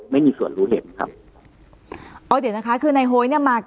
ไม่มีส่วนรู้เห็นครับอ๋อเดี๋ยวนะคะคือในโฮยเนี้ยมา